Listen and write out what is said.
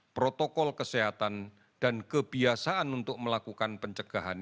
protokol kesehatan dan kebiasaan untuk melakukan pencegahan